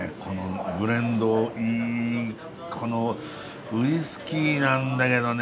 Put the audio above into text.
このウイスキーなんだけどね